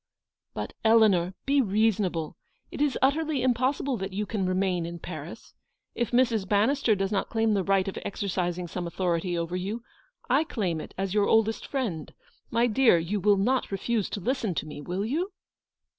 "But, Eleanor, be reasonable. It is utterly impossible that you can remain in Paris. If Mrs. Bannister does not claim the right of exercising some authority over you, I claim it as your oldest friend. My dear, you will not refuse to listen to me, will you